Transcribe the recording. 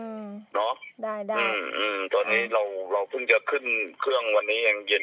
อืมเนอะได้ได้อืมอืมตอนนี้เราเราเพิ่งจะขึ้นเครื่องวันนี้ยังเย็น